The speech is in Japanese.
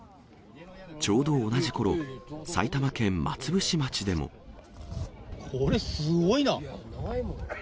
ちょうど同じころ、埼玉県松これ、すごいな。